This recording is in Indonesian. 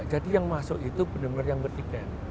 jadi yang masuk itu benar benar yang berdiket